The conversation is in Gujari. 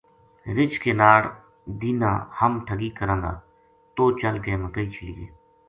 رچھ کے ناڑ دینہنا ہم ٹھگی کراں گا توہ چل کے مکئی چھلینے